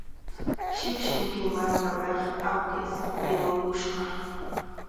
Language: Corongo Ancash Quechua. Shipshim kay markapik awkish aywakushqa.